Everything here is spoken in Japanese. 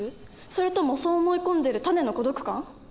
それともそう思い込んでいるタネの孤独感？